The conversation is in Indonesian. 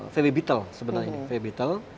vw beetle sebenarnya